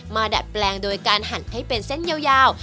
ดัดแปลงโดยการหั่นให้เป็นเส้นยาว